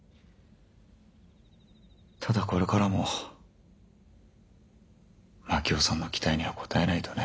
ただこれからも真樹夫さんの期待には応えないとね。